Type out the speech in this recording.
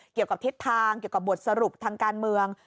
เกี่ยวกับทิศทางเกี่ยวกับบทสรุปทางการเมือง